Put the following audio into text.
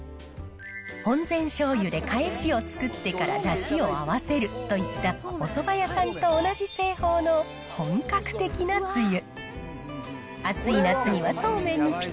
本膳しょうゆでかえしを作ってからだしを合わせるといった、おそば屋さんと同じ製法の本格的なつゆ。